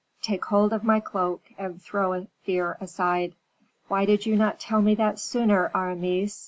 "Take hold of my cloak, and throw fear aside." "Why did you not tell me that sooner, Aramis?